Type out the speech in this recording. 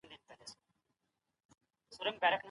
سياسي پرېکړي اکثراً تر تړلو دروازو شا ته نيول کېږي.